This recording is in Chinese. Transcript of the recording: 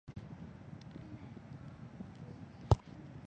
生产者剩余衡量生产者所得到的额外利益。